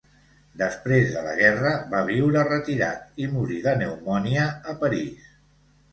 Després de la guerra va viure retirat i morí de pneumònia a París.